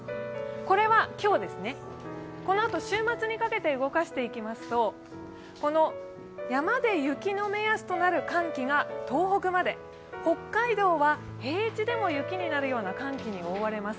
これは今日ですね、このあと週末にかけて動かしていきますとこの山で雪の目安となる寒気が東北まで、北海道は平地でも雪になるような寒気に覆われます。